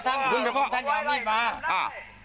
สารรอยไล่สารรอยไล่สารรอยไล่